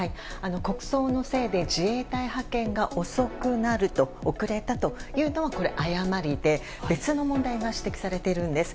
国葬のせいで自衛隊派遣が遅くなると遅れたというのは誤りで別の問題が指摘されているんです。